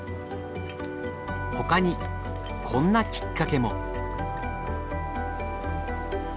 ほかにこんなきっかけも。